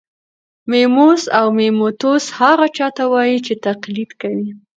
میموس او میموتوس هغه چا ته وايي چې تقلید کوي